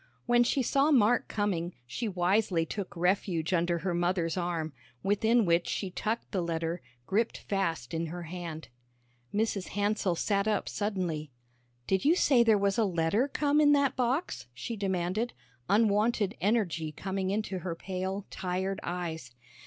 When she saw Mark coming, she wisely took refuge under her mother's arm, within which she tucked the letter, gripped fast in her hand. Mrs. Hansell sat up suddenly. "Did you say there was a letter come in that box?" she demanded, unwonted energy coming into her pale, tired eyes.